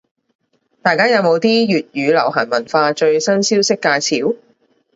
大家有冇啲粵語流行文化最新消息介紹？